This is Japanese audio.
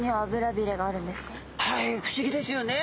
はい不思議ですよね。